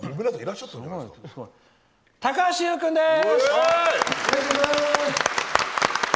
高橋優君です！